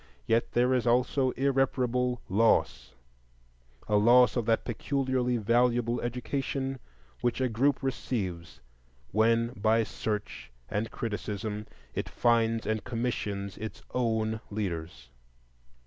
Yet there is also irreparable loss,—a loss of that peculiarly valuable education which a group receives when by search and criticism it finds and commissions its own leaders.